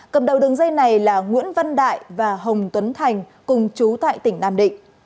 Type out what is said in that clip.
cầm đầu đường dây này là nguyễn văn đại và hồng tuấn thành cùng chú tại tỉnh nam định